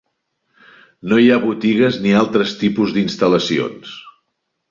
No hi ha botigues ni altres tipus d'instal·lacions.